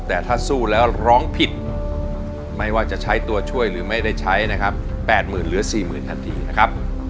แต่ถ้าสู้แล้วร้องผิดไม่ว่าจะใช้ตัวช่วยหรือไม่ได้ใช้นะครับ๘๐๐๐เหลือ๔๐๐ทันทีนะครับ